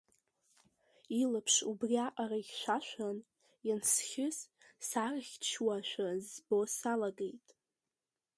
Илаԥш убри аҟара ихьшәашәан, иансхьыс сарыхьҭшьуашәа збо салагеит.